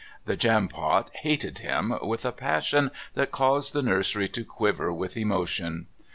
The Jampot hated him with a passion that caused the nursery to quiver with emotion.